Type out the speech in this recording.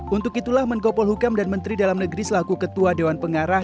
untuk itulah menko polhukam dan menteri dalam negeri selaku ketua dewan pengarah